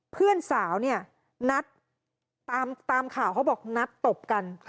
เพื่อนสาวเนี่ยนัดตามข่าวเขาบอกนัดตบกัน